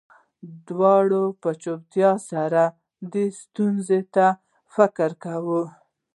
دواړو په چوپتیا سره دې ستونزې ته فکر کاوه